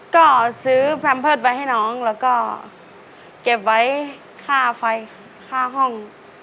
ก็ซื้อแพมเพิร์ตไปให้น้องแล้วก็เก็บไว้ค่าไฟค่าห้อง